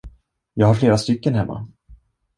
Jag har flera stycken hemma.